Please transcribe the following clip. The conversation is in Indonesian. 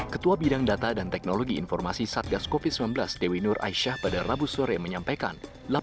ketua bidang data dan teknologi informasi satgas covid sembilan belas dewi nur aisyah pada rabu sore menyampaikan